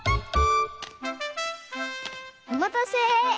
おまたせ！